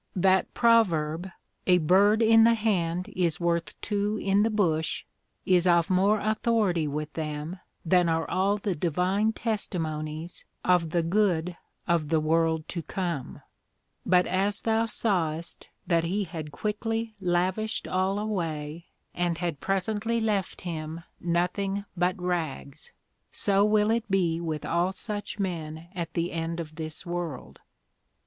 That proverb, A Bird in the Hand is worth two in the Bush, is of more authority with them than are all the Divine testimonies of the good of the world to come. But as thou sawest that he had quickly lavished all away, and had presently left him nothing but Rags; so will it be with all such men at the end of this world.